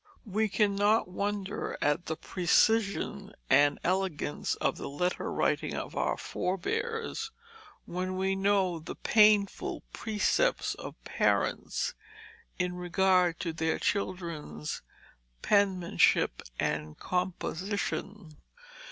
We cannot wonder at the precision and elegance of the letter writing of our forbears, when we know the "painful" precepts of parents in regard to their children's penmanship and composition.